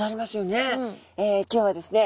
今日はですね